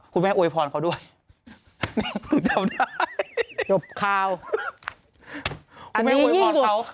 คุณแม่อวยพรเขาด้วยแม่คุณจำได้จบข่าวคุณแม่อวยพรเขา